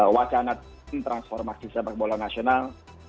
wacana tim transformasi sepak bola nasional